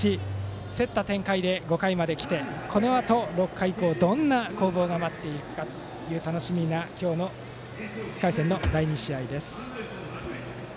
競った展開で５回まできて、このあと６回以降どんな攻防が待っているかという楽しみな今日の１回戦の第２試合です。